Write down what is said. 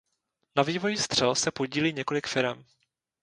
Na vývoji střel se podílí několik firem.